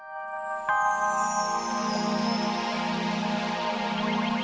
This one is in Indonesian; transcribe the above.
berkeguglut dengan cinta